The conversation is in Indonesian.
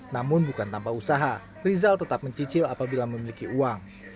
namun bukan tanpa usaha rizal tetap mencicil apabila memiliki uang